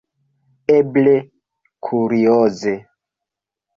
Eble kurioze!